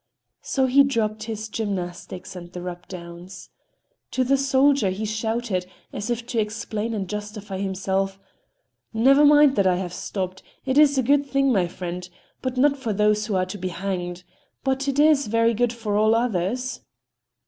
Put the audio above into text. So he dropped his gymnastics and the rub downs. To the soldier he shouted, as if to explain and justify himself: "Never mind that I have stopped. It's a good thing, my friend,—but not for those who are to be hanged. But it's very good for all others."